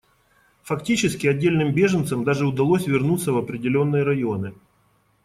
Фактически отдельным беженцам даже удалось вернуться в определенные районы.